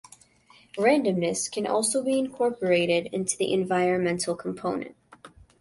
Randomness can also be incorporated into the environmental component.